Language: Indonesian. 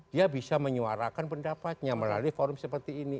dia bisa menyuarakan pendapatnya melalui forum seperti ini